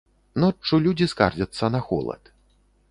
Ноччу людзі скардзяцца на холад.